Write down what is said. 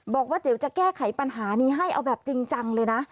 บอกว่าเดี๋ยวจะแก้ไขปัญหานี้ให้เอาแบบจริงจังเลยนะ